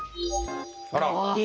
あら！